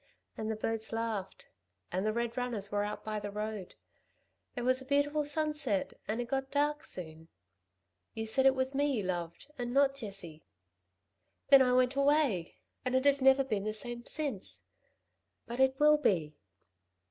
And the birds laughed. And the red runners were out by the road. There was a beautiful sunset, and it got dark soon. You said it was me you loved and not Jessie. Then I went away ... and it has never been the same since. But it will be